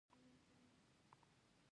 کونړ تېره مياشت سختې زلزلې وځپه